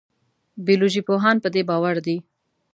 بیولوژي پوهان په دې باور دي.